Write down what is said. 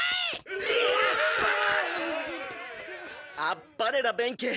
あっぱれだ弁慶。